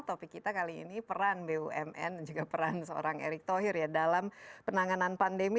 topik kita kali ini peran bumn dan juga peran seorang erick thohir ya dalam penanganan pandemi